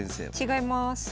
違います。